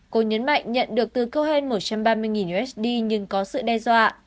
cô nhấn mạnh nhận được từ coen một trăm ba mươi usd nhưng có sự đe dọa